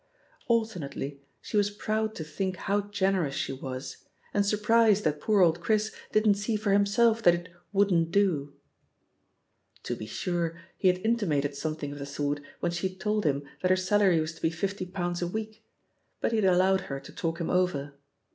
Alternately she was proud to think how gen erous she was, and surprised that poor old Chris didn't see for himself that it "wouldn't do." To ft84 THE POSITION OP PEGGY HARPEE be sure, he had intimated something of the sort 3Bfhen she told him that her salary was to be fifty pounds a week, but he had allowed her to talk him over.